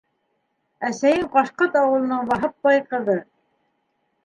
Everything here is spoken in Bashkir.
Әсәйең Ҡашҡат ауылының Ваһап бай ҡыҙы.